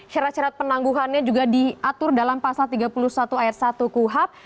syarat syarat penangguhannya juga diatur dalam pasal tiga puluh satu ayat satu kuhap